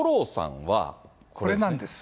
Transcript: これなんです。